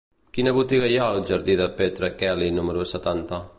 Quina botiga hi ha al jardí de Petra Kelly número setanta?